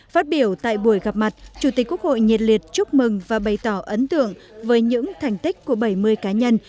phát biểu tại buổi gặp mặt chủ tịch quốc hội nhiệt liệt chúc mừng và bày tỏ ấn tượng với những thành tích của bảy mươi cá nhân